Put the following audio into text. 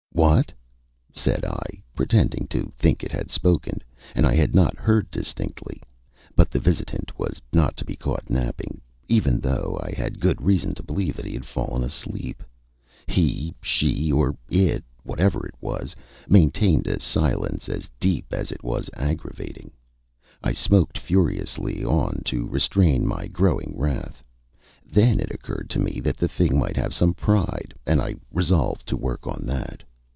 "What?" said I, pretending to think it had spoken and I had not heard distinctly; but the visitant was not to be caught napping, even though I had good reason to believe that he had fallen asleep. He, she, or it, whatever it was, maintained a silence as deep as it was aggravating. I smoked furiously on to restrain my growing wrath. Then it occurred to me that the thing might have some pride, and I resolved to work on that.